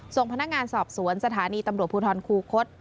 ส่งพนักงานสอบสวนสถานีตำรวจภูทรคูคศ